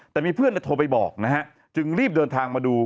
แต่มีเพื่อนโทรไปบอกนะฮะจึงรีบเดินทางมาดู